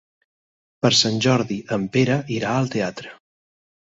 Per Sant Jordi en Pere irà al teatre.